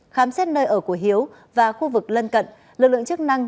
khám xét nơi ở của hiếu và khu vực lân cận